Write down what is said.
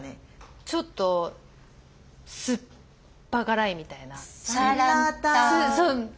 ちょっと酸っぱ辛いみたいな。